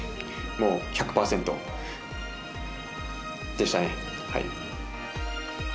１００％でしたね。